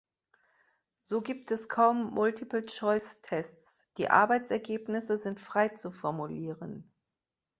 So gibt es kaum Multiple-Choice-Tests, die Arbeitsergebnisse sind frei zu formulieren.